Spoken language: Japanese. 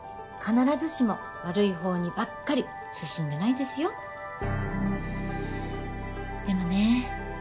必ずしも悪い方にばっかり進んでないですよでもね